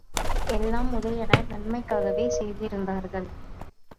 எல்லாம் உதயணன் நன்மைக்காகவே செய்திருந்தார்கள்.